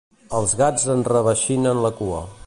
Els gats enreveixinen la cua.